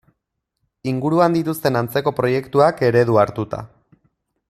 Inguruan dituzten antzeko proiektuak eredu hartuta.